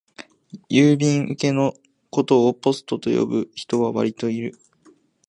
郵便受けのことをポストと呼ぶ人はわりといる